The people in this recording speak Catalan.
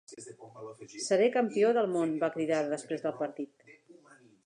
"Seré campió del món", va cridar després del partit.